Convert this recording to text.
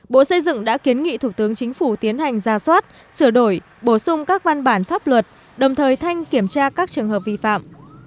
bộ xây dựng đã kiến nghị thủ tướng chính phủ tiến hành ra soát sửa đổi bổ sung các văn bản pháp luật đồng thời thanh kiểm tra các trường hợp vi phạm